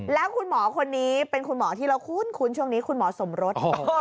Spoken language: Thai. แล้วคุณหมอคนนี้เป็นคุณหมอที่เราคุ้นช่วงนี้คุณหมอสมรส